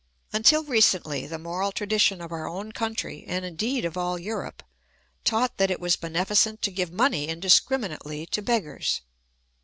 Until recently, the moral tradition of our own country — and indeed of all Europe — taught that it was beneficent to give money indiscriminately to beggars.